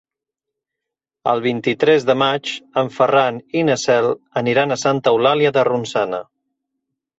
El vint-i-tres de maig en Ferran i na Cel aniran a Santa Eulàlia de Ronçana.